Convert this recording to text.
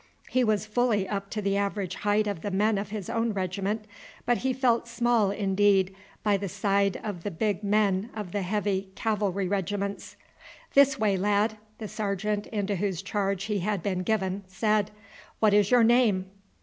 He was fully up to the average height of the men of his own regiment, but he felt small indeed by the side of the big men of the heavy cavalry regiments. "This way, lad," the sergeant into whose charge he had been given, said. "What is your name?"